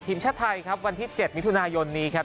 ทีมชาติไทยครับวันที่๗มิถุนายนนี้ครับ